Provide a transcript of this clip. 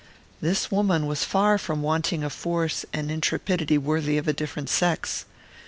This woman was far from wanting a force and intrepidity worthy of a different sex.